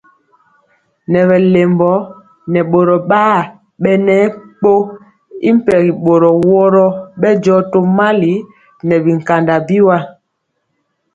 Nɛ bɛ lɛmbɔ nɛ boro bar bɛnɛ gkɔ y mpegi boro woro bɛndiɔ tomali nɛ bikanda biwa.